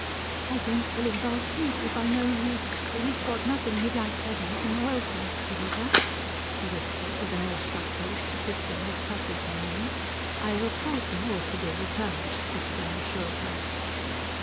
"I don't believe I'll sleep if I know he he's got nothing he'd like better than oilcloth to look at," she whispered with an awestruck face to Fritzing as Tussie came in. "I will cause them all to be returned," Fritzing assured her.